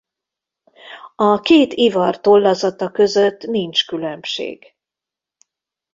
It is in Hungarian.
A két ivar tollazata között nincs különbség.